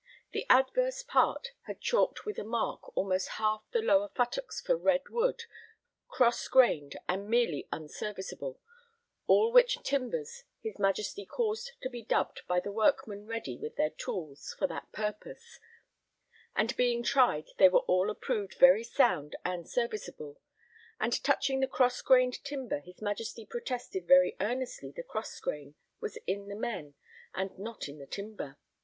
The adverse part had chalked with a mark almost half the lower futtocks for red wood, cross grained, and merely unserviceable, all which timbers his Majesty caused to be dubbed by the workmen ready with their tools for that purpose, and being tried they were all approved very sound and serviceable; and touching the cross grained timber his Majesty protested very earnestly the cross grain was in the men and not in the timber.